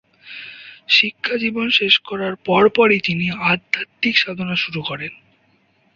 শিক্ষা জীবন শেষ করার পরপরই তিনি আধ্যাত্মিক সাধনা শুরু করেন।